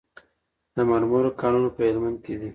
د مرمرو کانونه په هلمند کې دي